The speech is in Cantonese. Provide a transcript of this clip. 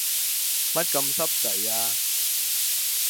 乜咁濕滯呀？